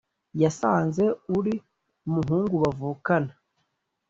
yasanze uri muhungu bavukana